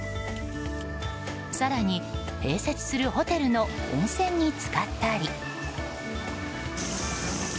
更に併設するホテルの温泉に浸かったり。